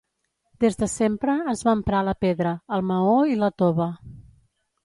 Des de sempre es va emprar la pedra, el maó i la tova.